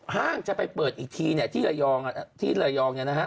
ห้างจะไปเปิดอีกทีที่ระยอง